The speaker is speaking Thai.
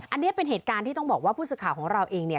อันนี้เป็นเหตุการณ์ที่ต้องบอกว่าผู้สื่อข่าวของเราเองเนี่ย